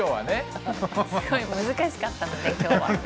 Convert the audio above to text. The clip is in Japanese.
すごい難しかったので今日は。